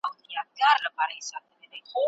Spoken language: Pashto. ښه ذهنیت درد نه جوړوي.